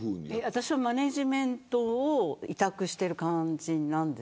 私はマネジメントを委託してる感じです。